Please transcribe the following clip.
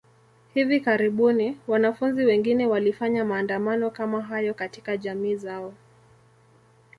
Hivi karibuni, wanafunzi wengine walifanya maandamano kama hayo katika jamii zao.